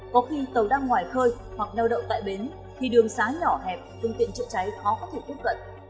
có khi tàu đang ngoài khơi hoặc neo đậu tại bến thì đường xá nhỏ hẹp phương tiện chữa cháy khó có thể tiếp cận